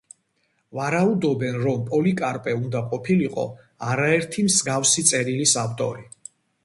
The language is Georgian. ვარაუდობენ, რომ პოლიკარპე უნდა ყოფილიყო არაერთი მსგავსი წერილის ავტორი.